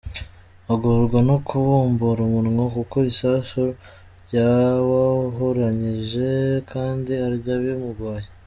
Agorwa no kubumbura umunwa kuko isasu ryawahuranyije, kandi arya bimugoye.